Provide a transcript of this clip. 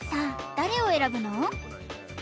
誰を選ぶの？